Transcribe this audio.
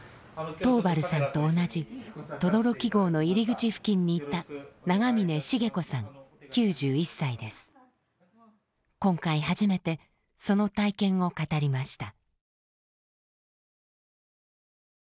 桃原さんと同じ轟壕の入り口付近にいた今回初めてその体験を語りました。